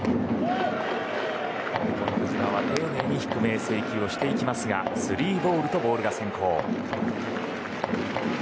田嶋、丁寧に低めへ制球していきますがスリーボールとボール先行。